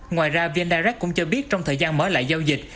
ngoài ra vn direct cũng cho biết trong thời gian mở lại giao dịch